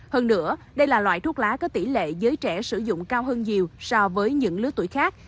hơn nữa đây là loại thuốc lá có tỷ lệ giới trẻ sử dụng cao hơn nhiều so với những lứa tuổi khác